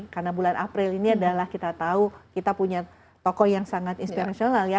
karena bulan april ini adalah kita tahu kita punya tokoh yang sangat inspirational ya